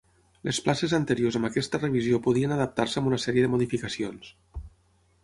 Les places anteriors amb aquesta revisió podien adaptar-se amb una sèrie de modificacions.